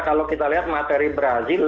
kalau kita lihat materi brazil